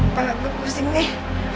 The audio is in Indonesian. udah kepala gue pusing nih